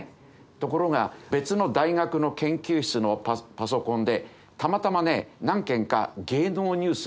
ところが別の大学の研究室のパソコンでたまたまね何件か芸能ニュースを検索したんだわ。